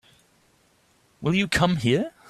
Will you come here?